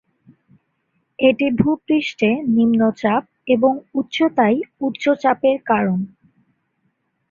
এটি ভূপৃষ্ঠে নিম্ন চাপ এবং উচ্চতায় উচ্চ চাপের কারণ।